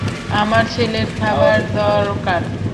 আমার ছেলের খাবার দরকার।